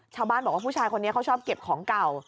ชาวบ้านบอกว่าผู้ชายคนนี้เขาชอบเก็บของเก่า